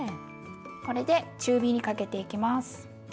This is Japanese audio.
これで中火にかけていきます。